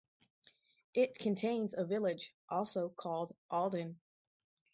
It contains a village also called Alden.